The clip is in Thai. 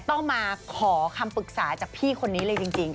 ต้องมาขอคำปรึกษาจากพี่คนนี้เลยจริง